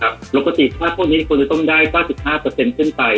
ปกติถ้าพวกนี้ควรจะต้มได้๙๕ขึ้นไป